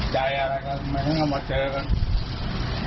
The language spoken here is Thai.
ใจอะไรก็ไม่น่ามาเจอกัน